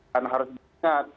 dan harus diingat